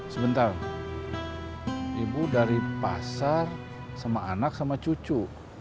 sebentar ibu dari pasar sama anak sama cucu